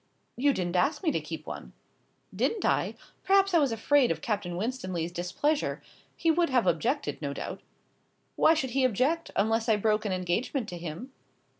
"You didn't ask me to keep one." "Didn't I? Perhaps I was afraid of Captain Winstanley's displeasure. He would have objected, no doubt." "Why should he object, unless I broke an engagement to him?"